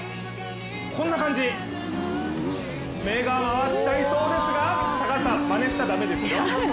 こんな感じ、目が回っちゃいそうですが、高橋さん、まねしちゃ駄目ですよ。